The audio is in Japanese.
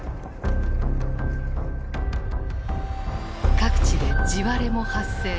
各地で地割れも発生。